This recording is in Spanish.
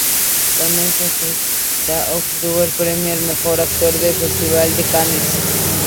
Con esa cinta obtuvo el premio al mejor actor en el Festival de Cannes.